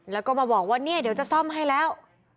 แล้วก็มาบอกว่าเนี่ยเดี๋ยวจะซ่อมให้แล้ว